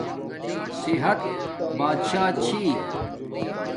صحت بادشاہ چھی